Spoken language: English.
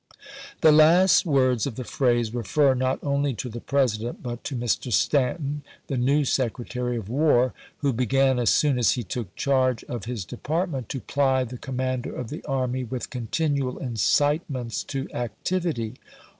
The last words of the phrase refer not only to the President, but to Mr. Stanton, the new Secretary of War, who began as soon as he took charge of his department to ply the commander of the army with continual incitements to activity.